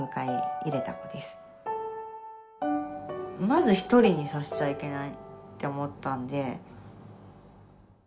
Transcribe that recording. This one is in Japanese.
まず一人にさせちゃいけないって思ったんで。